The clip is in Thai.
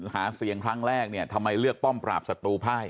หาเสียงครั้งแรกเนี่ยทำไมเลือกป้อมปราบศัตรูภาย